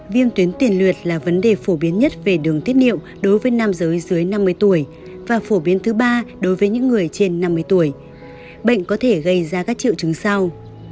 viêm tuyến tiền luyệt là vấn đề phổ biến nhất về đường tiết niệu đối với nam giới dưới năm mươi tuổi và phổ biến thứ ba đối với những người trên năm mươi tuổi bệnh có thể gây ra các triệu chứng sau